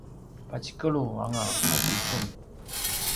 pacikelu anga a tisun